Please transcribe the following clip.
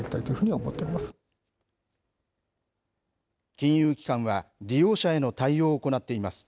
金融機関は、利用者への対応を行っています。